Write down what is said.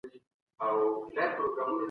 پوهان د ټولني د سترګو دید دی.